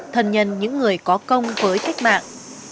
thân nhân những người có công với cách mạng